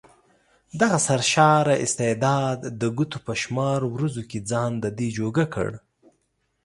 دغه سرشاره استعداد د ګوتو په شمار ورځو کې ځان ددې جوګه کړ.